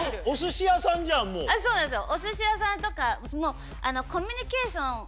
そうなんですよ。